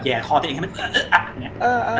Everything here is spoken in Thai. เค้าทำให้มันมีความผิด